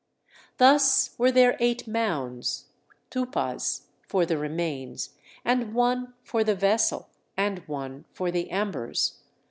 Thus were there eight mounds [Thupas] for the remains, and one for the vessel, and one for the embers.